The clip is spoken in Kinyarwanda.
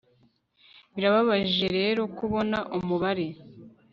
birababaje rero kubona umubare